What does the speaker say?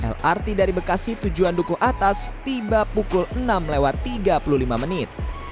lrt dari bekasi tujuan duku atas tiba pukul enam lewat tiga puluh lima menit